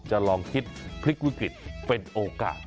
ลองคิดพลิกวิกฤตเป็นโอกาส